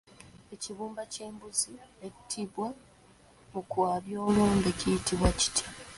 Ekibumba ky'embuzi ettibwa mu kwabya olumbe kiyitibwa kitya?